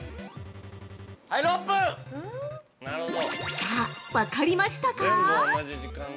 ◆さあ、分かりましたか？